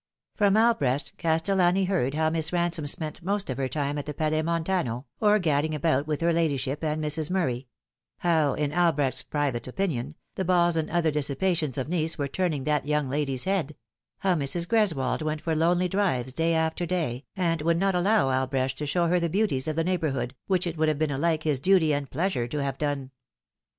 From Albrecht, Castellan! heard how Miss Bansome spent most of her time at the Palais Montano, or gadding about with her ladyship and Mrs. Murray; how, in Albrecht's private opinion, the balls and other dissipations of Nice were turning that young lady's head ; how Mrs. Greswold went for lonely drives day after day, and would not allow Albrecht to show her the beauties of the neighbourhood, which it would have been alike his duty and pleasure to have done.